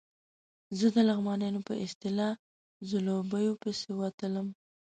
زه د لغمانیانو په اصطلاح ځلوبیو پسې وتلم.